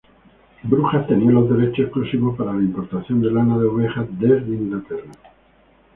Brujas tenía los derechos exclusivos para la importación de lana de oveja desde Inglaterra.